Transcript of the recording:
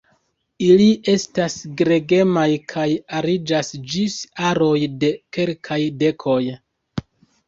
Ili estas gregemaj kaj ariĝas ĝis aroj de kelkaj dekoj.